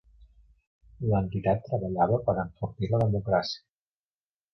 L'entitat treballava per enfortir la democràcia.